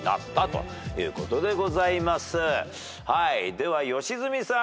では良純さん。